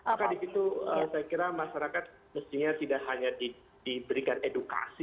maka di situ saya kira masyarakat mestinya tidak hanya diberikan edukasi